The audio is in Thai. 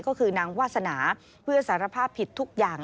ก็คือนางวาสนาเพื่อสารภาพผิดทุกอย่าง